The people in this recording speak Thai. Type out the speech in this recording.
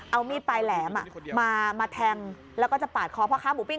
เอามีดปลายแหลมมาแทงแล้วก็จะปาดคอพ่อค้าหมูปิ้ง